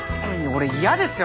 俺嫌ですよ。